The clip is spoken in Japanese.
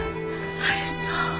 悠人。